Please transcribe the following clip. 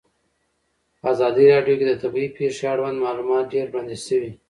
په ازادي راډیو کې د طبیعي پېښې اړوند معلومات ډېر وړاندې شوي.